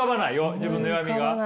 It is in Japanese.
自分の弱みが。